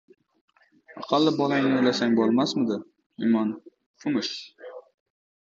Aqalli bo- langni o‘ylasang bo‘lmasmidi, imonfumsh!